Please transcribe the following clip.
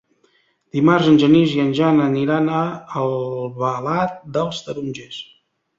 Dimarts en Genís i en Jan aniran a Albalat dels Tarongers.